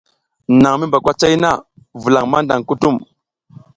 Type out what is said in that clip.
Naƞ mi mba kwacay na, vulaƞ maƞdaƞ kutum.